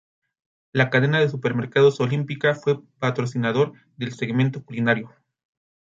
La cadena de supermercados Olímpica fue patrocinador del segmento culinario.